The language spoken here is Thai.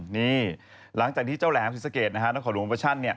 นี่หลังจากที่เจ้าแหลมศรีสะเกดนะฮะนครหลวงโมชั่น